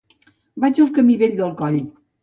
Vaig al camí Vell del Coll.